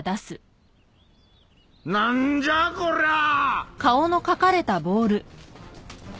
なんじゃこりゃあ！